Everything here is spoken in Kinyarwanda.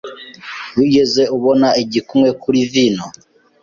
Wigeze ubona igikumwe kuri vino?